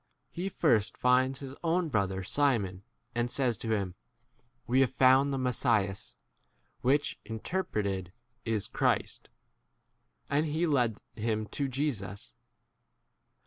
He first finds his own brother Simon, and says to him, We have found the Mes sias (which interpreted is a Christ). 42 And he led him to Jesus.